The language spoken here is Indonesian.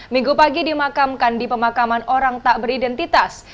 minggu pagi dimakamkan di pemakaman orang tak beridentitas